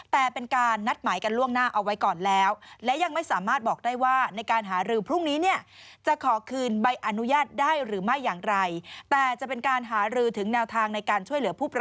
แต่เป็นการนัดหมายกันล่วงหน้าเอาไว้ก่อนแล้ว